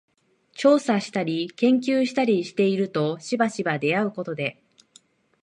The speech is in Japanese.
調査したり研究したりしているとしばしば出合うことで、